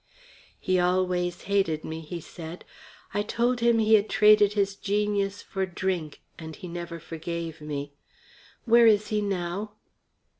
"He always hated me," he said. "I told him he had traded his genius for drink, and he never forgave me. Where is he now?"